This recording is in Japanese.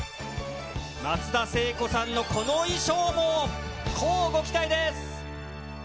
松田聖子さんのこの衣装も、こうご期待です。